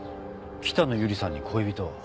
北野由里さんに恋人は？